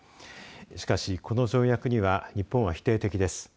しかし、この条約には日本は否定的です。